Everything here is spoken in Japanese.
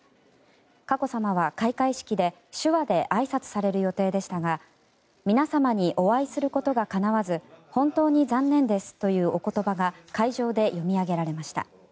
佳子さまは開会式で手話であいさつされる予定でしたが皆様にお会いすることがかなわず本当に残念ですというお言葉が会場で読み上げられました。